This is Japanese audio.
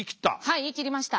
はい言い切りました。